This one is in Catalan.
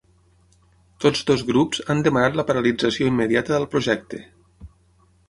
Tots dos grups han demanat la paralització immediata del projecte.